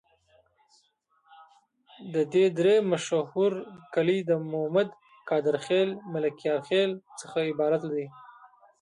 د دي درې مشهور کلي د مومد، قادر خیل، ملکیار خیل څخه عبارت دي.